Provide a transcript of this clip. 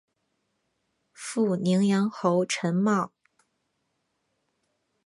父宁阳侯陈懋。